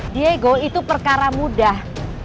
diego itu perkara mudah